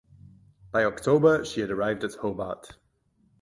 By October she had arrived at Hobart.